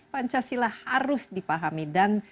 pancasila harus dipahami dan